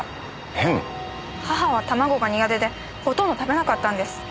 母は卵が苦手でほとんど食べなかったんです。